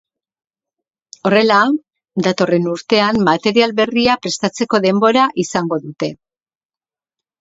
Horrela, datorren urtean material berria prestatzeko denbora izango dute.